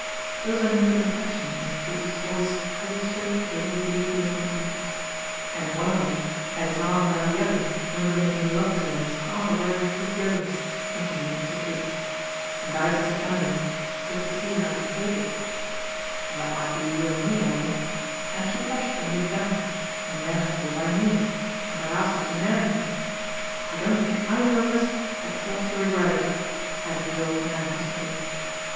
There was a note of affection in Mr. Triggs's voice as he spoke of the little blue faced monkey. " And one of 'em 'ad 'is arm round the other and was a making love to 'er as 'ard as ever 'e could go," continued Mr. Triggs. " And I says to Emily, just to see 'ow THE DEFECTION OF MR. TRIGGS 151 she'd take it, ' That might be you an' me, Emily/ and she blushed and looked down, and then of course I knew, and I asked 'er to marry me. I don't think either of us 'ad cause to regret it," added the old man huskily.